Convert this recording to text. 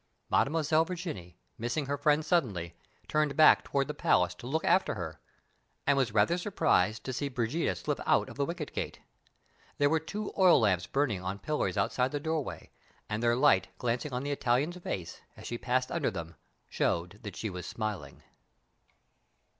Mademoiselle Virginie, missing her friend suddenly, turned back toward the palace to look after her, and was rather surprised to see Brigida slip out of the wicket gate. There were two oil lamps burning on pillars outside the doorway, and their light glancing on the Italian's face, as she passed under them, showed that she was smiling.